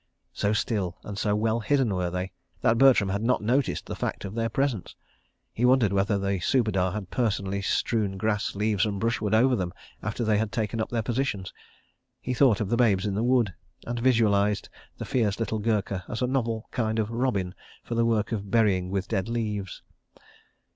So still and so well hidden were they, that Bertram had not noticed the fact of their presence. He wondered whether the Subedar had personally strewn grass, leaves and brushwood over them after they had taken up their positions. He thought of the Babes in the Wood, and visualised the fierce little Gurkha as a novel kind of robin for the work of burying with dead leaves.